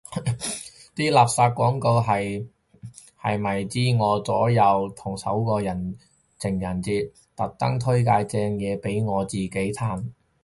啲垃圾廣告係咪知我同左右手過情人節，特登推介正嘢俾我自己嘆